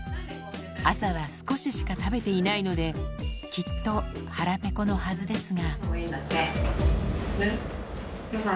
朝は少ししか食べていないので、きっと腹ぺこのはずですが。